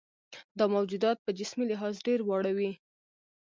دا موجودات په جسمي لحاظ ډېر واړه وي.